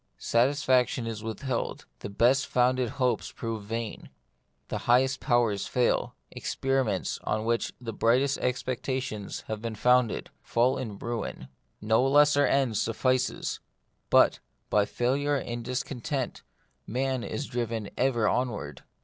Satisfaction is with held ; the best founded hopes prove vain ; the highest powers fail ; experiments, on which the brightest expectations have been founded, fall in ruin ; no lesser end suffices ; but, by failure and discontent, man is driven ever on ward.